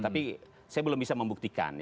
tapi saya belum bisa membuktikan